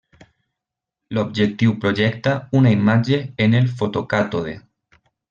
L'objectiu projecta una imatge en el fotocàtode.